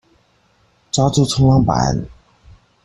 快抓住衝浪板